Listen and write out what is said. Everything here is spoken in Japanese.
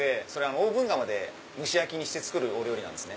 オーブン釜で蒸し焼きにして作るお料理なんです。